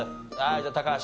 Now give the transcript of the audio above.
じゃあ高橋。